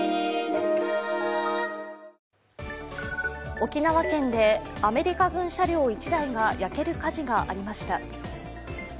沖縄県でアメリカ軍車両１台が焼ける火事がありました。